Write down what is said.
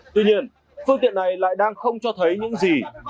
tuy nhiên phương tiện này lại đang không cho thấy những gì